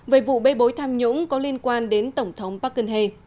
về vụ bê bối tham nhũng có liên quan đến tổng thống park geun hye